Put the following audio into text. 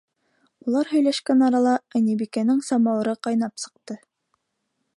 Улар һөйләшкән арала Ынйыбикәнең самауыры ҡайнап сыҡты.